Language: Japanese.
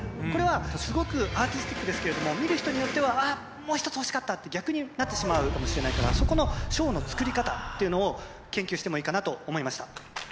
これはすごくアーティスティックですけれども、見る人によっては、あっ、もう一つ欲しかったって、逆になってしまうかもしれないから、そこのショーの作り方っていうのを、研究してもいいかなって思いました。